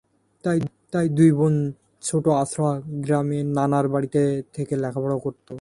তাই দুই বোন ছোট আঁচড়া গ্রামে নানার বাড়িতে থেকে লেখাপড়া করত।